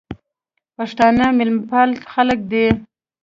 پښتانه مېلمپال خلک دي.